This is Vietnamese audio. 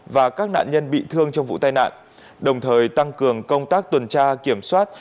và các nạn nhân bị thương trong vụ tai nạn đồng thời tăng cường công tác tuần tra kiểm soát